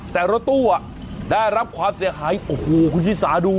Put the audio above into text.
แต่รถตู้อ่ะได้รับความเสียหายโอ้โหคุณชิสาดู